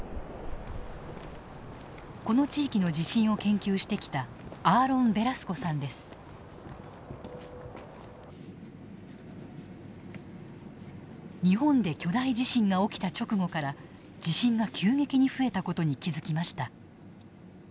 この地域の地震を研究してきた日本で巨大地震が起きた直後から地震が急激に増えた事に気付きました。